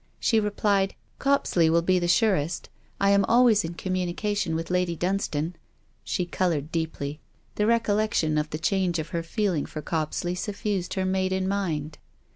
She replied: 'Copsley will be the surest. I am always in communication with Lady Dunstane.' She coloured deeply. The recollection of the change of her feeling for Copsley suffused her maiden mind.